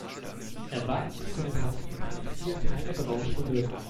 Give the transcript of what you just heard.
Erwarten Sie von dem Hanf im Hanfbier keine berauschende Wirkung.